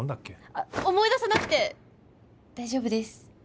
あっ思い出さなくて大丈夫です